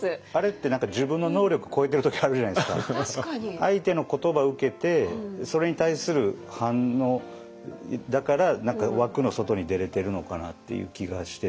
相手の言葉受けてそれに対する反応だから何か枠の外に出れてるのかなっていう気がしてて。